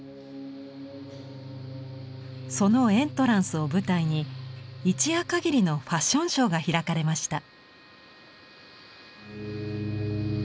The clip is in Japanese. そのエントランスを舞台に一夜限りのファッションショーが開かれました。